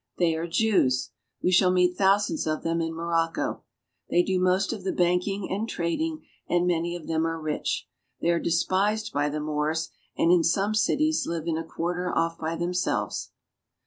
They are Jews. We shall meet thousands of them in Morocco. They do most of the banking and trading, and many of them are rich. They are despised by the Moors and, in some cities, live in a quarter off by themselves.